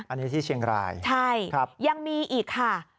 อันนี้ที่เชียงรายใช่ครับยังมีอีกค่ะ